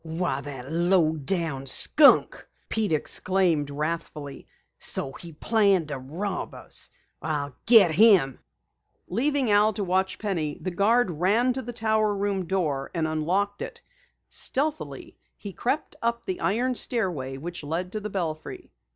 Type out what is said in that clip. "Why, the low down skunk!" Pete exclaimed wrathfully. "So he planned to rob us! I'll get him!" Leaving Al to watch Penny, the guard ran to the tower room door and unlocked it. Stealthily he crept up the iron stairway which led to the belfry.